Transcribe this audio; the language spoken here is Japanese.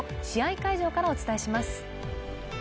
会場からお伝えします。